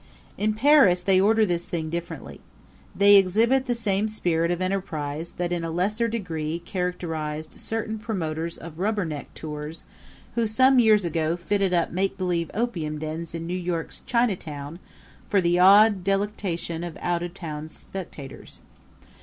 In Paris they order this thing differently; they exhibit the same spirit of enterprise that in a lesser degree characterized certain promoters of rubberneck tours who some years ago fitted up make believe opium dens in New York's Chinatown for the awed delectation of out of town spectators.